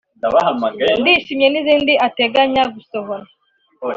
‘Ndishimye’ n’izindi ateganya gusohora